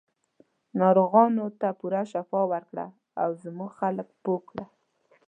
ناروغانو ته پوره شفا ورکړه او زموږ خلک پوه کړه.